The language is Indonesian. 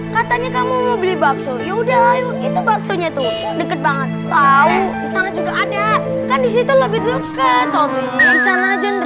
katanya kamu mau beli bakso yaudah itu bakso nya tuh deket banget tahu sana juga ada kan